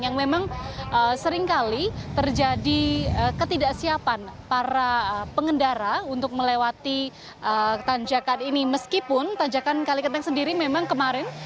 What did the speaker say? yang memang seringkali terjadi ketidaksiapan para pengendara untuk melewati tanjakan ini meskipun tanjakan kalikenteng sendiri memang kemarin